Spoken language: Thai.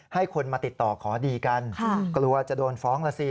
ให้คนมาติดต่อขอดีกันกลัวจะโดนฟ้องล่ะสิ